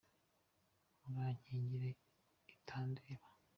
Murankingire itandeba